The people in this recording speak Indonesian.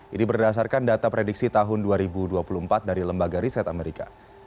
ini berdasarkan data prediksi tahun dua ribu dua puluh empat dari lembaga riset amerika